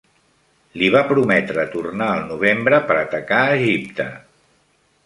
Li va prometre tornar al novembre per atacar Egipte.